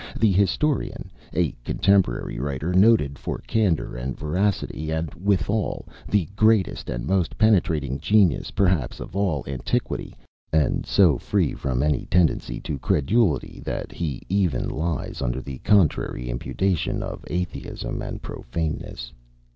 The historian, a contemporary writer, noted for candor and veracity, and, withal, the greatest and most, penetrating genius, perhaps of all antiquity; and so free from any tendency to credulity, that he even lies under the contrary imputation of Atheism and profaneness.